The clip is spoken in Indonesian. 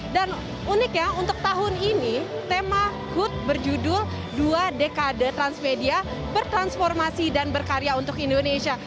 dan uniknya untuk tahun ini tema hut berjudul dua dekade transmedia bertransformasi dan berkarya untuk indonesia